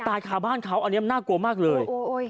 คาบ้านเขาอันนี้มันน่ากลัวมากเลย